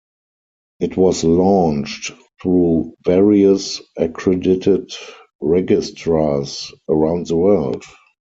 It was launched through various accredited registrars around the world.